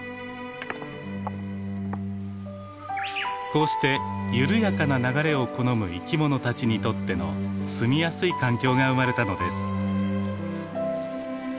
こうして緩やかな流れを好む生きものたちにとっての住みやすい環境が生まれたのです。